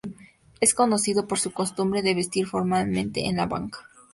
Es conocido por su costumbre de vestir formalmente en la banca.